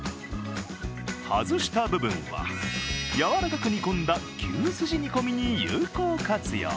外した部分は、やわらかく煮込んだ牛すじ煮込みに有効活用。